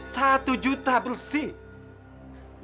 satu juta bersih